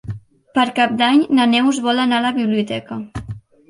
Per Cap d'Any na Neus vol anar a la biblioteca.